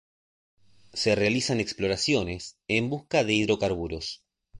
Se realizan exploraciones en busca de hidrocarburos.